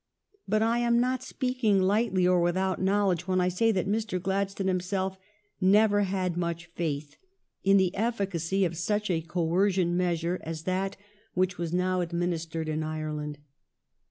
But I am not speaking lightly or without knowledge when I say that Mr. Glad stone himself never had much faith in the efficacy of such a coercion measure as that which was now administered in Ireland.